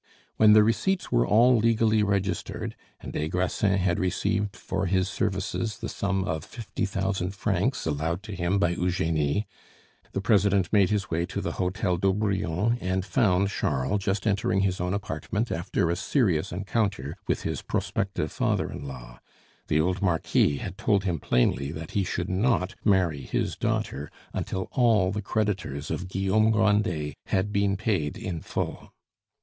When the receipts were all legally registered, and des Grassins had received for his services the sum of fifty thousand francs allowed to him by Eugenie, the president made his way to the hotel d'Aubrion and found Charles just entering his own apartment after a serious encounter with his prospective father in law. The old marquis had told him plainly that he should not marry his daughter until all the creditors of Guillaume Grandet had been paid in full.